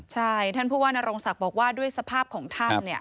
ใช่ท่านผู้ว่านโรงศักดิ์บอกว่าด้วยสภาพของถ้ำ